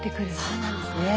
そうなんですね。